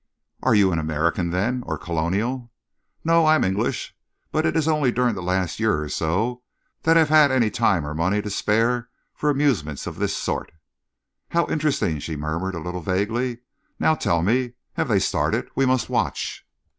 "Are you an American, then, or Colonial?" "No, I am English, but it is only during the last year or so that I have had any time or money to spare for amusements of this sort." "How interesting!" she murmured a little vaguely. "Now tell me, have they started? We must watch."